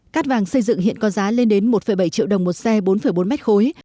cát vàng xây dựng hiện có giá lên đến một bảy triệu đồng một xe bốn bốn mét khối